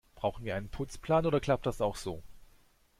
Brauchen wir einen Putzplan, oder klappt das auch so?